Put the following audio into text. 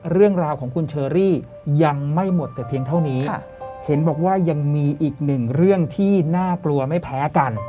เรื่องราวของคุณเชอรี่ยังไม่หมดแต่เพียงเท่านี้เห็นบอกว่ายังมีอีกหนึ่งเรื่องที่น่ากลัวไม่แพ้กัน